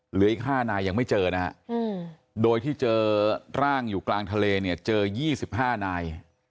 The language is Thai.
เหลืออีก๕นายยังไม่เจอนะฮะโดยที่เจอร่างอยู่กลางทะเลเนี่ยเจอ๒๕นาย